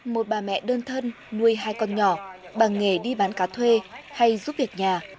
một bà mẹ đơn thân nuôi hai con nhỏ bằng nghề đi bán cá thuê hay giúp việc nhà